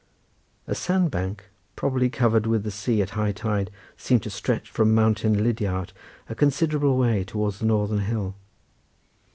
A sandbank, probably covered with the sea at high tide, seemed to stretch from mountain Lidiart a considerable way towards the northern hill.